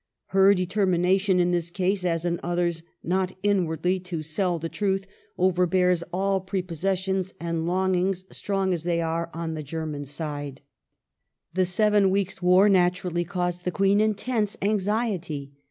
Her determination in this case, as in others, not inwardly to * sell the truth ' overbears all pre possessions and longings strong as they are on the German 1865] POSITION OF ENGLAND 327 side." ^ The seven weeks' war naturally caused the Queen intense anxiety.